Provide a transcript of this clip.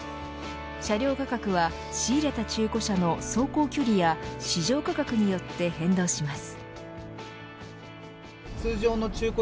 車両価格は仕入れた中古車の走行距離や市場価格によって変動します。